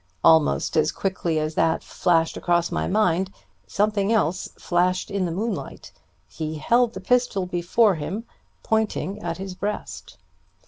Almost as quickly as that flashed across my mind, something else flashed in the moonlight. He held the pistol before him, pointing at his breast.